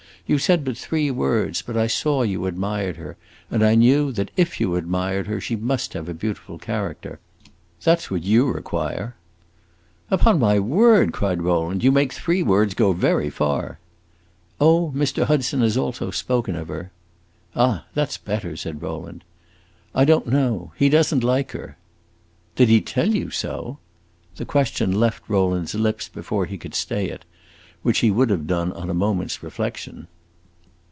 You said but three words, but I saw you admired her, and I knew that if you admired her she must have a beautiful character. That 's what you require!" "Upon my word," cried Rowland, "you make three words go very far!" "Oh, Mr. Hudson has also spoken of her." "Ah, that 's better!" said Rowland. "I don't know; he does n't like her." "Did he tell you so?" The question left Rowland's lips before he could stay it, which he would have done on a moment's reflection.